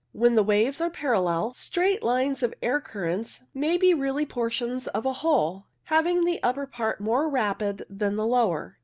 When the waves are parallel straight lines the air currents may be really portions of a whole, having the upper part more rapid than the lower.